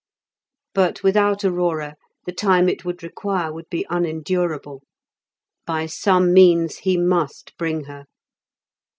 But without Aurora the time it would require would be unendurable; by some means he must bring her.